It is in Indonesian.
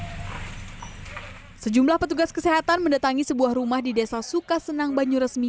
hai sejumlah petugas kesehatan mendatangi sebuah rumah di desa sukasenang banyuresmi